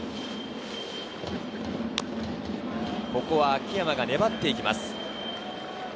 秋山が粘っていきます。